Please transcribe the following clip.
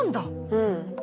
うん。